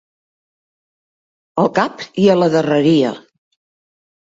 Al cap i a la darreria.